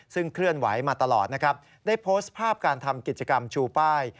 ซึ่งเคลื่อนไหวมาตลอดนะครับได้โพสต์ภาพการทำกิจกรรมชูป้าย